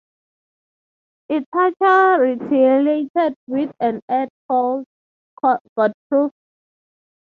Ithaca retaliated with an ad called Got Proof?